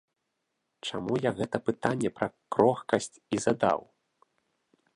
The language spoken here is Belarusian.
Чаму я гэта пытанне пра крохкасць і задаў?